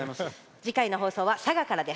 次回の放送は佐賀からです。